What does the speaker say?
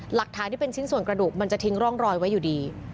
หลักฐานที่เป็นชิ้นส่วนกระดูกมันจะทิ้งร่องรอยไว้อยู่ดี